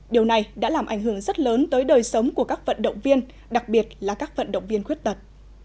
điều này đã làm ảnh hưởng rất lớn tới đời sống của các vận động viên đặc biệt là các vận động viên khuyết tật